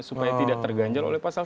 supaya tidak terganjal oleh pasal